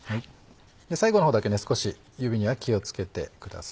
最後の方だけ少し指には気を付けてください。